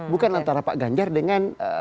bukan antara pak ganjar dengan